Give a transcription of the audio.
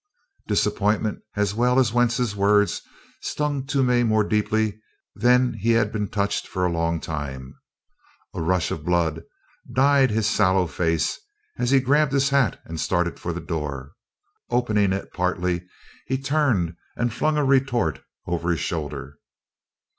Disappointment as well as Wentz's words stung Toomey more deeply than he had been touched for a long time. A rush of blood dyed his sallow face as he grabbed his hat and started for the door. Opening it partly, he turned and flung a retort over his shoulder.